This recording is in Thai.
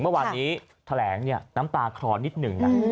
เมื่อวานนี้แถลงเนี่ยน้ำตาคลอนิดหนึ่งนะ